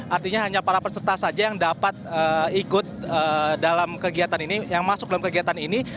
artinya hanya para peserta saja yang dapat ikut dalam kegiatan ini yang masuk dalam kegiatan ini